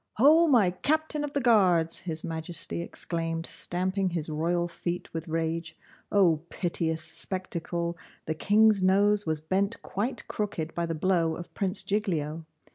'Ho! my captain of the guards!' His Majesty exclaimed, stamping his royal feet with rage. O piteous spectacle! the King's nose was bent quite crooked by the blow of Prince Giglio!